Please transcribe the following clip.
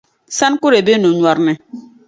Sana kɔrɛ be no’ nyɔri ni.